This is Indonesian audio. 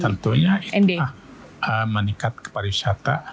tentunya itu meningkat kepariwisata